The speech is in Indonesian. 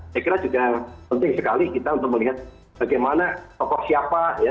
saya kira juga penting sekali kita untuk melihat bagaimana tokoh siapa ya